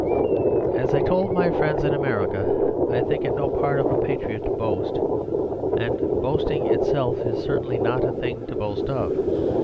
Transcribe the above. As I told my friends in America, I think it no part of a patriot to boast; and boasting itself is certainly not a thing to boast of.